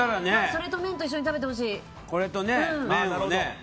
それと麺と一緒に食べてほしい！